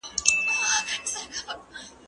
ايا ته نان خورې،